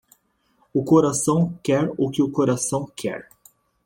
O coração quer o que o coração quer.